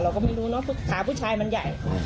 เราก็ไม่รู้เนอะขาผู้ชายมันใหญ่